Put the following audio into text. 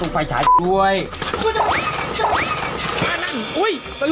โอ๊ยโอ๊ยโอ๊ยโอ๊ยโอ๊ยโอ๊ยโอ๊ยโอ๊ยโอ๊ย